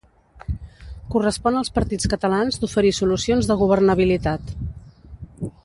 Correspon als partits catalans d’oferir solucions de governabilitat.